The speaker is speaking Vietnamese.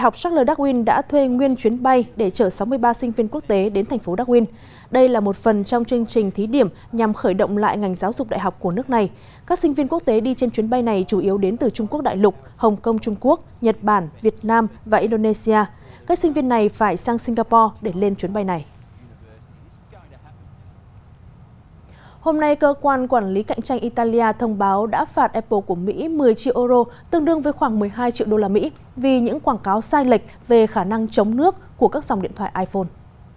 cơ quan quản lý cạnh tranh italia thông báo đã phạt apple của mỹ một mươi triệu euro tương đương với khoảng một mươi hai triệu đô la mỹ vì những quảng cáo sai lệch về khả năng chống nước của các dòng điện thoại iphone